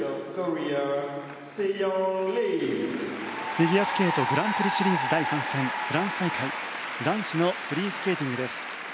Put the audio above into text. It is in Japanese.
フィギュアスケートグランプリシリーズ第３戦フランス大会、男子のフリースケーティングです。